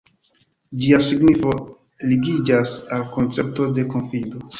Ĝia signifo ligiĝas al koncepto de konfido.